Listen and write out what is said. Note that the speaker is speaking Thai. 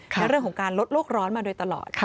และเรื่องของการลดโลกร้อนมาโดยตลอด